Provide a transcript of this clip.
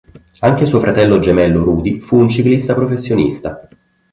Anche suo fratello gemello Rudi fu un ciclista professionista.